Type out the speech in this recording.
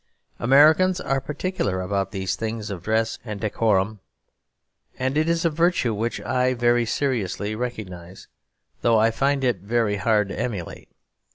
Americans are particular about these things of dress and decorum; and it is a virtue which I very seriously recognise, though I find it very hard to emulate.